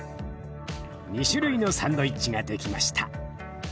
２種類のサンドイッチが出来ました。